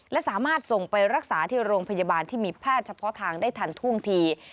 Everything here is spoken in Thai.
และสามารถส่งไปรักษาที่โรงพยาบาลที่มีแพทย์เฉพาะทางได้ทันท่วงที